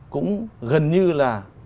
cũng gần như là